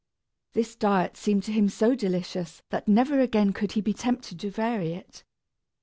This diet seemed to him so delicious that never again could he be tempted to vary it.